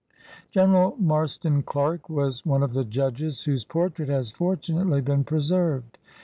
General Marston Clark was one of the judges whose portrait has fortunately been preserved.